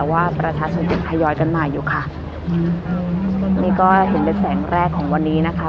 ว่าประชาชนยังทยอยกันมาอยู่ค่ะนี่ก็เห็นเป็นแสงแรกของวันนี้นะคะ